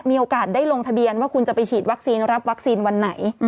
มีโอกาสได้ลงทะเบียนว่าคุณจะไปฉีดวัคซีนรับวัคซีนวันไหน